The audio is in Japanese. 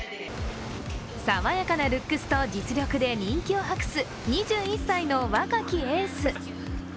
爽やかなルックスと実力で人気を博す２１歳の若きケース。